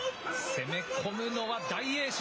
攻め込むのは大栄翔。